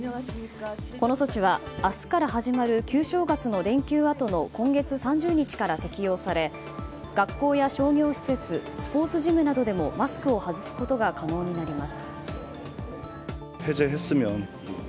この措置は、明日から始まる旧正月の連休あとの今月３０日から適用され学校や商業施設スポーツジムなどでもマスクを外すことが可能になります。